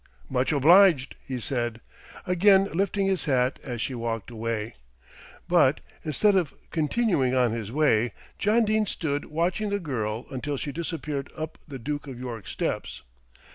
"Much obliged," he said, again lifting his hat as she walked away; but instead of continuing on his way, John Dene stood watching the girl until she disappeared up the Duke of York's steps.